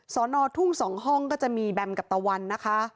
สอนอทุ่ง๒ห้องก็จะมีแบมกับตะวันนะคะ